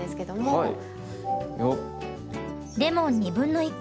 はい。